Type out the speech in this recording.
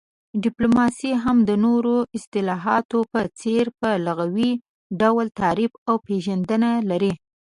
ډيپلوماسي هم د نورو اصطلاحاتو په څير په لغوي ډول تعريف او پيژندنه لري